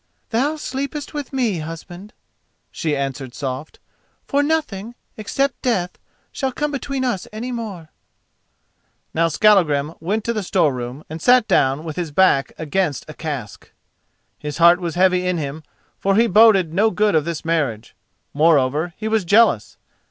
"Thou sleepest with me, husband," she answered soft, "for nothing, except Death, shall come between us any more." Now Skallagrim went to the store room, and sat down with his back against a cask. His heart was heavy in him, for he boded no good of this marriage. Moreover, he was jealous.